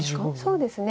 そうですね。